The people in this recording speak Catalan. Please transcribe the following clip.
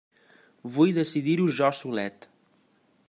Vull decidir-ho jo solet!